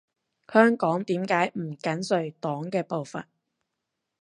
香港點解唔緊隨黨嘅步伐？